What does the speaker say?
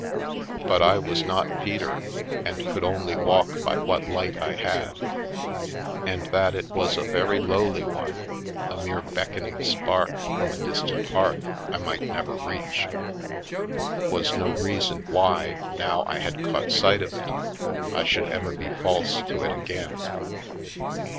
But I was not Peter, and could only walk by what light I had, and that it was a very lowly one, a mere beckoning spark from a distant hearth I might never reach, was no reason why, now I had caught sight of it, I should ever be false to it again.